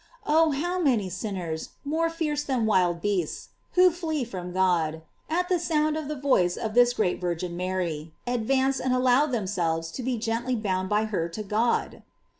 Oh, how many sinners, more fierce than wild beasts, who flee from God, at the sound of the voice of this great Virgin Mary, advance and allow them selves to be gently bound by her to God!